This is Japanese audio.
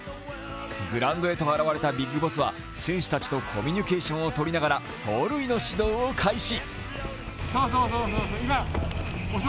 グラウンドへと現れたビッグボスは選手たちとコミュニケーションをとりながら走塁の指導を開始。